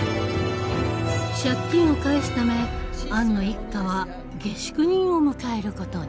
借金を返すためアンの一家は下宿人を迎えることに。